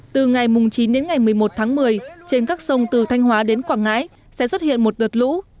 từ ngày chín một mươi một một mươi trên các sông từ thanh hóa đến quảng ngãi sẽ xuất hiện một đợt lũ